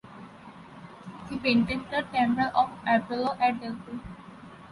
He painted the temple of Apollo at Delphi.